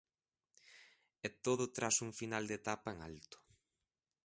E todo tras un final de etapa en alto...